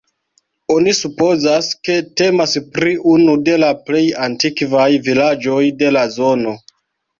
Oni supozas, ke temas pri unu de la plej antikvaj vilaĝoj de la zono.